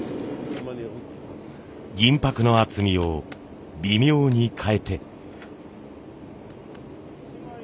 銀箔の厚みを微妙に変えて。